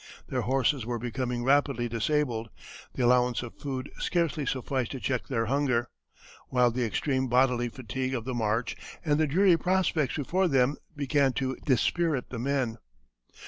Their horses were becoming rapidly disabled; the allowance of food scarcely sufficed to check their hunger; while the extreme bodily fatigue of the march, and the dreary prospects before them, began to dispirit the men.